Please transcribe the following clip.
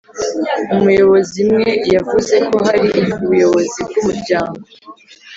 Umuyobozi mwe yavuze ko hari ubuyobozi bw umuryango